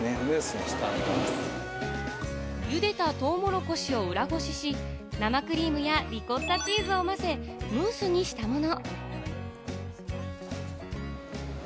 茹でたとうもろこしを裏ごしし、生クリームやリコッタチーズを混ぜ、ムースにしたもの。